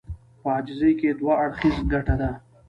په عاجزي کې دوه اړخيزه ګټه ده.